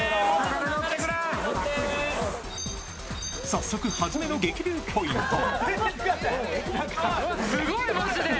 早速、初めの激流ポイント。